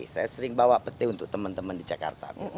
saya sering bawa pete untuk teman teman di jakarta